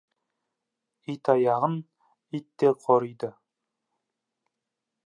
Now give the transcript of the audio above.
Итаяғын ит те қориды.